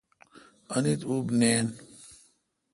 انیت اوپ نین۔